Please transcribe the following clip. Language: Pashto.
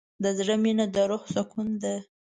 د زړه مینه د روح سکون ده.